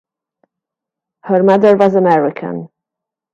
Her mother was American.